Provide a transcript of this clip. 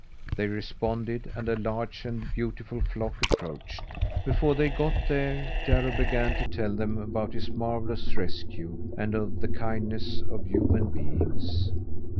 They responded, and a large and beautiful flock approached. Before they got there, Jarro began to tell them about his marvellous rescue, and of the kindness of human beings.